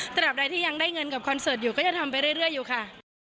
สำหรับใดที่ยังได้เงินกับคอนเสิร์ตอยู่ก็จะทำไปเรื่อยอยู่ค่ะ